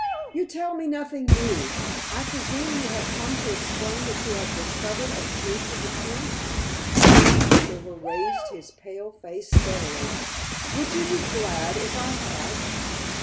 "You tell me nothing new. I presume you have come to explain that you have discovered a clew to the truth?" Silver raised his pale face steadily. "Would you be glad if I had?"